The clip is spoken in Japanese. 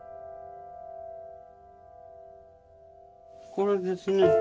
これですね。